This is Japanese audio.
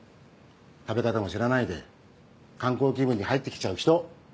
食べ方も知らないで観光気分で入って来ちゃう人。